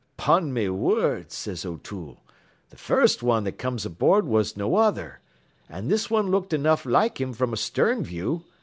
"''Pon me whurd,' says O'Toole, 'th' first wan that comes aboard was no other an' this one looked enough like him from a stern view.